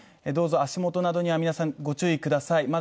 どうぞ足元などには皆さん、ご注意ください